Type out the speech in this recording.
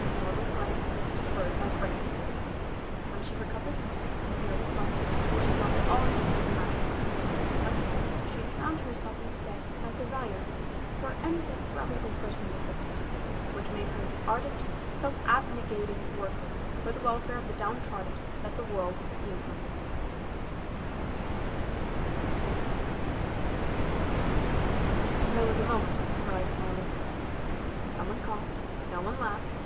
Miss Moreland's wedding was deferred by brain fever. When she recovered, her hair was white, and she had lost all taste for matrimony, but she had found instead that desire for anything rather than personal existence, which made her the ardent, self abnegating worker for the welfare of the downtrodden that the world knew her. There was a moment of surprised silence. Some one coughed. No one laughed.